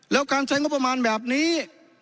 แล้วการใช้งบประมาณแบบนี้